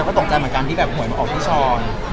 เธอก็ตกใจเหมือนกันที่แบบเหมือนเอาพี่ช้อน